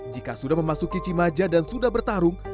jika sudah memasuki cimaja dan sudah bertarung